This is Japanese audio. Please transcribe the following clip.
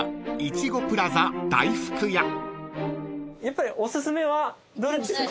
やっぱりおすすめは。